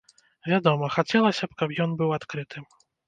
Вядома, хацелася б, каб ён быў адкрытым.